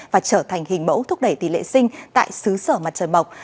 và trở thành hình mẫu thúc đẩy tỷ lệ sinh tại xứ sở mặt trời bọc